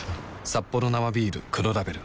「サッポロ生ビール黒ラベル」